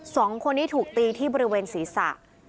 สองคนนี้ถูกตีที่บริเวณศีรษะ